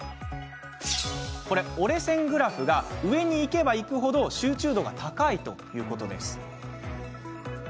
折れ線グラフが上にいけばいく程集中度が高いということなんです。